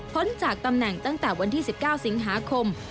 จากตำแหน่งตั้งแต่วันที่๑๙สิงหาคม